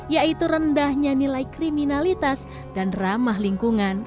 yaitu rendahnya nilai kriminalitas dan ramah lingkungan